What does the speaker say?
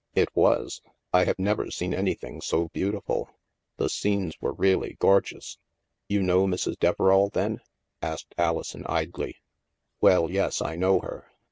" It was. I have never seen anything so beau tiful. The scenes were really gorgeous." " You know Mrs. Deverall, then ?" asked Alison idly. "Well, yes, I know her.